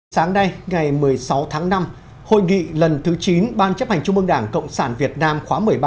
sáng nay ngày một mươi sáu tháng năm hội nghị lần thứ chín ban chấp hành trung mương đảng cộng sản việt nam khóa một mươi ba